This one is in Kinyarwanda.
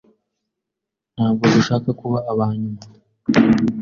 Ntabwo dushaka kuba aba nyuma.